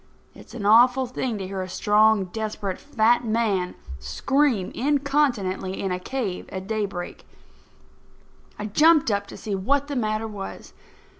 It's an awful thing to hear a strong, desperate, fat man scream incontinently in a cave at daybreak. I jumped up to see what the matter was.